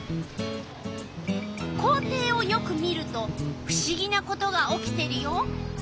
校庭をよく見るとふしぎなことが起きてるよ！